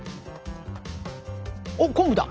おっ昆布だ！